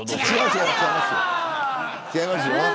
違いますよ。